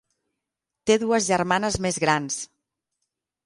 Té dues germanes més grans.